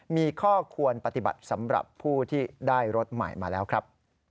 มีข้อควรปฏิบัติสำหรับผู้ที่ได้รถใหม่มาแล้วครับ